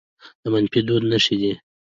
د منفي دود نښې دي